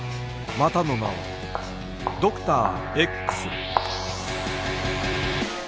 またの名をドクター Ｘ